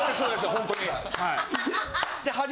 本当に。